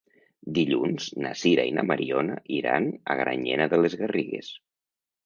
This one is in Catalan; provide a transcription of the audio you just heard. Dilluns na Sira i na Mariona iran a Granyena de les Garrigues.